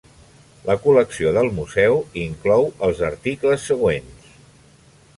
La col·lecció del museu inclou els articles següents.